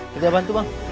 kita bantu bang